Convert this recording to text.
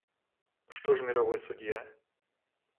Что ж мировой судья?